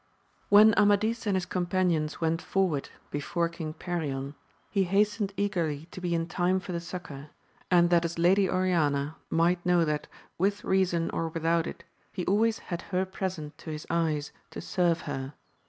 HEN Amadis and his companions went for ward before King Perion, he hastened eagerly to be in time for the succour, and that his Lady Orania might know that, with reason or without it, he always had her present to his eyes, to serve her.